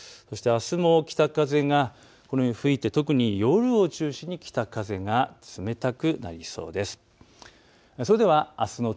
そしてあす、北風がこのように吹いて夜を中心に北風が冷たくなりそうです。